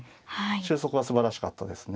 収束はすばらしかったですね。